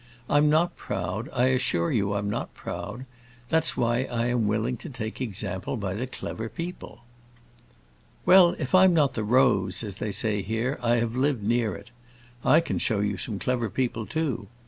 I'm not proud, I assure you I'm not proud. That's why I am willing to take example by the clever people." "Well, if I'm not the rose, as they say here, I have lived near it. I can show you some clever people, too.